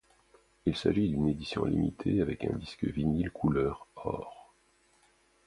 Il s'agit d'une édition limitée, avec un disque vinyle couleur or.